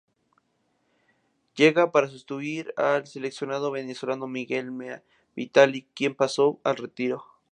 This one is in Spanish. Llega para sustituir al seleccionado venezolano Miguel Mea Vitali, quien pasó al retiro.